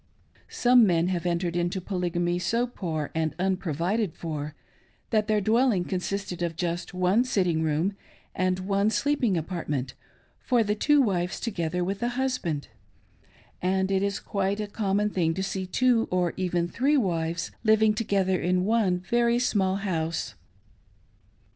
Some men have entered into Polygamy so poor and unpro vided for that their dwelling consisted of just one sitting room and one sleeping apartment, for the two wives together with the husband ; and it is quite a common' thing to see two or even three wives living together in one very small house.